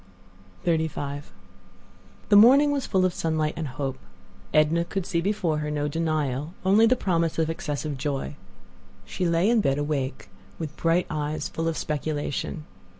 XXXV The morning was full of sunlight and hope. Edna could see before her no denial—only the promise of excessive joy. She lay in bed awake, with bright eyes full of speculation.